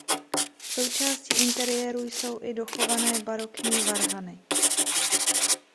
Součástí interiéru jsou i dochované barokní varhany.